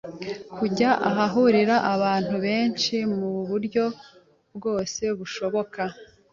kujya ahahurira abantu benshi mu buryo bwose bushoboka